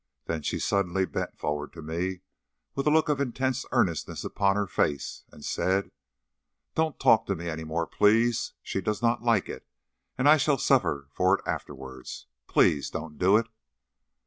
Then she suddenly bent forward to me, with a look of intense earnestness upon her face, and said "Don't talk to me any more, please. She does not like it, and I shall suffer for it afterwards. Please, don't do it."